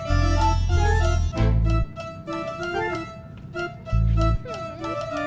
enggak pordin co id dulu